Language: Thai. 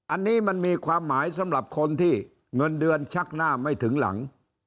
อันนี้มันมีความหมายสำหรับคนที่เงินเดือนชักหน้าไม่ถึงหลัง